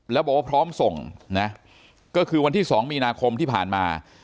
แล้วบอกว่าพร้อมส่งนะก็คือวันที่๒มีนาคมที่ผ่านมา